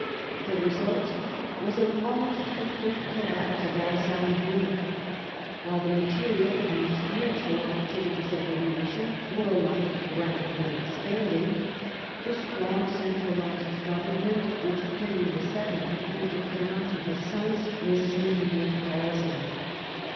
The result was an almost complete collapse of all sound rule. While the material and spiritual activities of the nation were alike rapidly expanding, the strong centralised government which Henry II. had handed down to his sons was smitten with palsy.